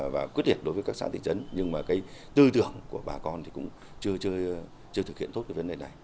và quyết liệt đối với các xã thị trấn nhưng mà cái tư tưởng của bà con thì cũng chưa thực hiện tốt cái vấn đề này